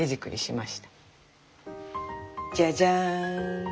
じゃじゃん！